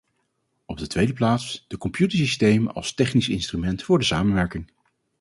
Op de tweede plaats: de computersystemen als technisch instrument voor de samenwerking.